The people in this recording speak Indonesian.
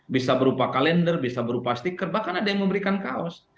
bisa berupa kalender bisa berupa stiker bahkan ada yang memberikan kaos